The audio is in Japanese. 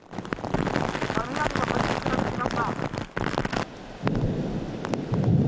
雷が激しくなってきました。